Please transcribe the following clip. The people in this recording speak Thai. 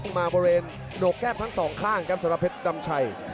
เพราะเรียนโดกแก้มทั้ง๒ข้างครับสำหรับเพชรน้ำชัย